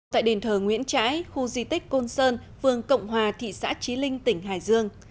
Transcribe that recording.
tại đền thờ nguyễn trãi khu di tích côn sơn phường cộng hòa thị xã trí linh tỉnh hải dương